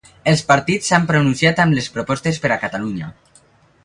Els partits s'han pronunciat amb les propostes per a Catalunya.